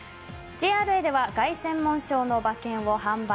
ＪＲＡでは凱旋門賞の馬券を販売。